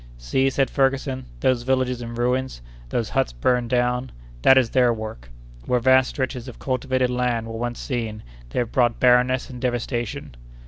"See," said Ferguson, "those villages in ruins, those huts burned down—that is their work! Where vast stretches of cultivated land were once seen, they have brought barrenness and devastation."